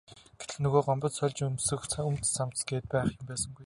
Гэтэл нөгөө Гомбод сольж өмсөх өмд цамц гээд байх юм байсангүй.